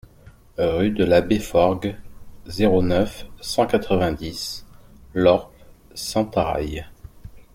Rue de l'Abbé Forgues, zéro neuf, cent quatre-vingt-dix Lorp-Sentaraille